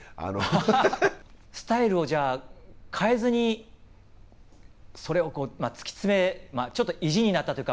スタイルをじゃあ変えずにちょっと意地になったというか